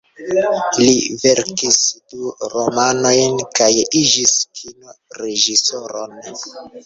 Li verkis du romanojn, kaj iĝis kino-reĝisoron.